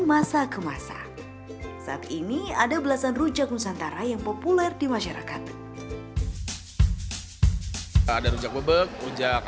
masa ke masa saat ini ada belasan rujak nusantara yang populer di masyarakat ada rujak bebek rujak